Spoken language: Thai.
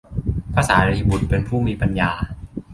พระสารีบุตร เป็นผู้มีปัญญา